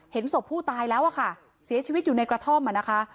ศพผู้ตายแล้วอะค่ะเสียชีวิตอยู่ในกระท่อมอ่ะนะคะ